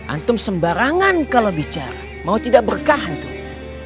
antum sembarangan kalau bicara mau tidak berkahan tuh